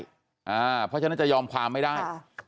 เพราะฉะนั้นจะยอมความไม่ได้